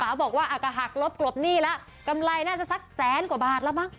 บอกว่าก็หักลบกลบหนี้แล้วกำไรน่าจะสักแสนกว่าบาทแล้วมั้ง